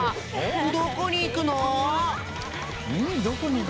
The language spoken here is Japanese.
どこにいくの？